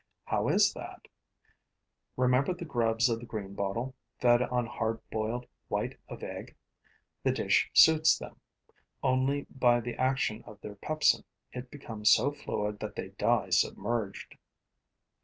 How is that? Remember the grubs of the greenbottle, fed on hard boiled white of egg. The dish suits them; only, by the action of their pepsin, it becomes so fluid that they die submerged.